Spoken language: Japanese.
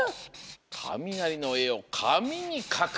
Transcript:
「かみなりのえをかみにかく」。